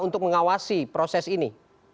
untuk mengawasi proses ini